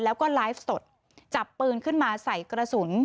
แล้วก็ไลฟ์สดจับปืนขึ้นมาใส่กระสุน